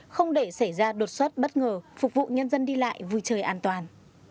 không để xảy ra đột xuất bất ngờ phục vụ nhân dân đi lại vui chơi an toàn